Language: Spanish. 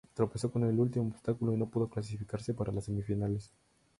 Tropezó con el último obstáculo y no pudo clasificarse para las semifinales.